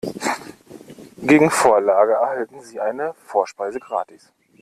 Gegen Vorlage erhalten Sie eine Vorspeise gratis.